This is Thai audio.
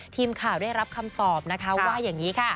ทีมข่าวได้รับคำตอบนะคะว่าอย่างนี้ค่ะ